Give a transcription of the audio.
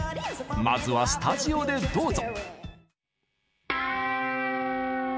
まずはスタジオでどうぞ。